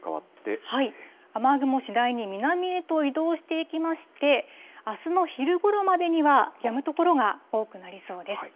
雨雲、次第に南へと移動していきまして、あすの昼ごろまでには、やむ所が多くなりそうです。